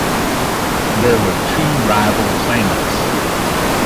There were two rival claimants.